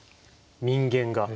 人間が。